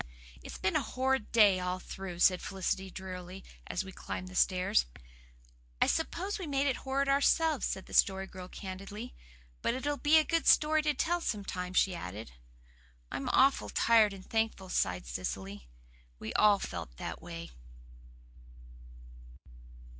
"It's been a horrid day all through," said Felicity drearily, as we climbed the stairs. "I suppose we made it horrid ourselves," said the Story Girl candidly. "But it'll be a good story to tell sometime," she added. "I'm awful tired and thankful," sighed Cecily. We all felt that way.